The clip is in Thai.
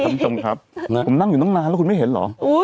แขมจงครับอุ้ยผมนั่งอยู่ตรงน้าแล้วคุณไม่เห็นหรอ